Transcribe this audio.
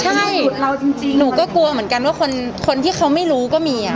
ใช่หนูก็กลัวเหมือนกันว่าคนที่เขาไม่รู้ก็มี